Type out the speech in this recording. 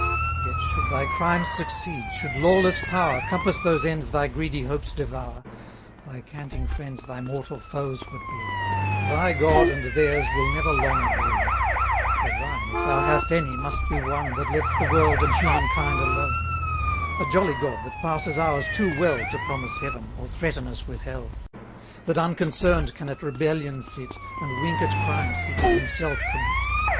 Yet, should thy crimes succeed, should lawless power Compass those ends thy greedy hopes devour, Thy canting friends thy mortal foes would be, Thy God and theirs will never long agree; For thine, if thou hast any, must be one That lets the world and human kind alone: A jolly god that passes hours too well To promise heaven, or threaten us with hell; 280 That unconcern'd can at rebellion sit, And wink at crimes he did himself commit.